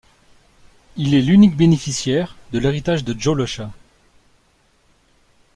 Il est l'unique bénéficiaire de l'héritage de Jo Lechat.